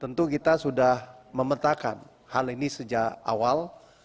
tentu kita sudah memetakan hal ini sejak awal